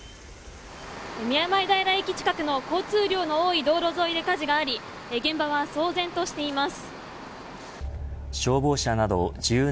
宮前平駅近くの交通量の多い道路沿いで火事があり現場は騒然としています。